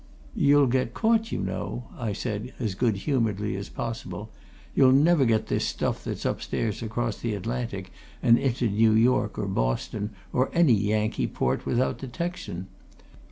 "You'll get caught, you know," I said, as good humouredly as possible. "You'll never get this stuff that's upstairs across the Atlantic and into New York or Boston or any Yankee port without detection.